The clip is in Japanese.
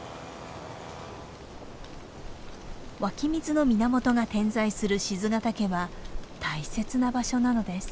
湧き水の源が点在する賤ヶ岳は大切な場所なのです。